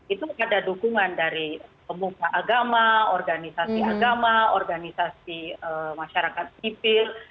itu ada dukungan dari pemuka agama organisasi agama organisasi masyarakat sipil